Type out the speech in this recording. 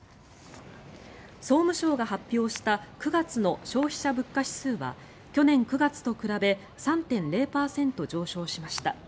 総務省が発表した９月の消費者物価指数は去年９月と比べ３．０％上昇しました。